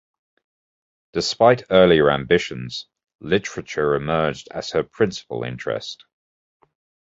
Despite earlier ambitions, literature emerged as her principal interest.